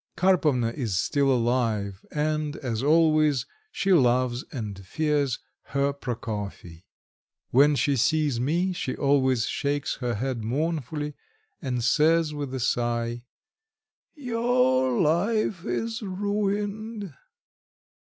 Karpovna is still alive and, as always, she loves and fears her Prokofy. When she sees me, she always shakes her head mournfully, and says with a sigh: "Your life is ruined."